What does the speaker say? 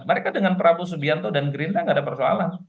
mereka dengan prabowo subianto dan gerindra nggak ada persoalan